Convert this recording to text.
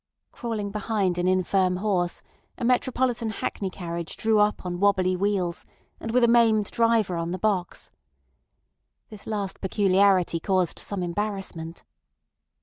Crawling behind an infirm horse, a metropolitan hackney carriage drew up on wobbly wheels and with a maimed driver on the box. This last peculiarity caused some embarrassment.